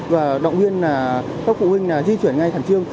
và động viên các phụ huynh di chuyển ngay thẳng trương